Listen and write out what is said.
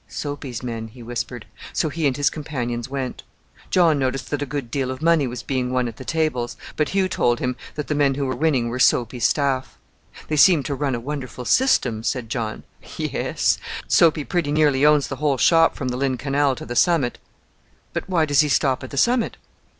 "Soapy's men!" he whispered; so he and his companions went. John noticed that a good deal of money was being won at the tables; but Hugh told him that the men who were winning were Soapy's staff. "They seem to run a wonderful system," said John. "Yes; Soapy pretty nearly owns the whole shop from the Lynn Canal to the summit." "But why does he stop at the summit?"